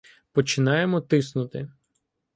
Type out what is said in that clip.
Починаємо тиснути.